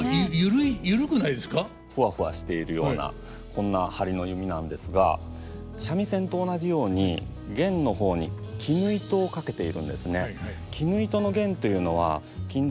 ふわふわしているようなこんな張りの弓なんですが三味線と同じように絃の方に絹糸を掛けているんですね。